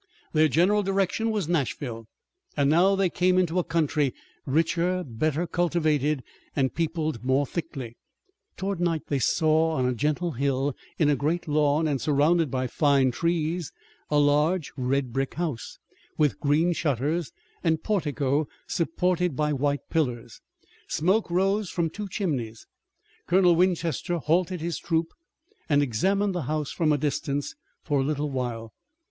Their general direction was Nashville, and now they came into a country, richer, better cultivated, and peopled more thickly. Toward night they saw on a gentle hill in a great lawn and surrounded by fine trees a large red brick house, with green shutters and portico supported by white pillars. Smoke rose from two chimneys. Colonel Winchester halted his troop and examined the house from a distance for a little while.